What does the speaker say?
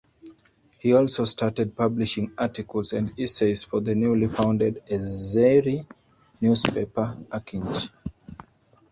He also started publishing articles and essays for the newly founded Azeri newspaper "Akinchi".